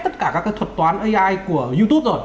tất cả các thuật toán ai của youtube rồi